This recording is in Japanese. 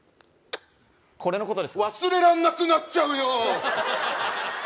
これのことですか忘れらんなくなっちゃうよ